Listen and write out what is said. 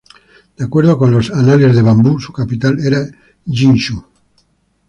De acuerdo con los "Anales de Bambú", su capital era Yin Xu.